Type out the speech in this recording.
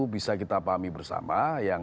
bisa kita pahami bersama yang